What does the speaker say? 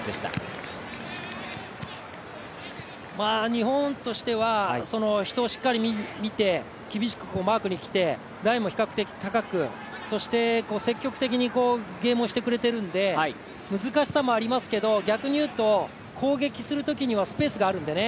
日本としては、人をしっかり見て厳しくマークにきて、ラインも比較的高く、そして積極的にゲームをしてくれているので難しさもありますけど逆にいうと攻撃するときにはスペースがありますんでね。